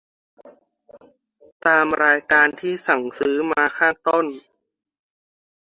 ตามรายการที่สั่งซื้อมาข้างต้น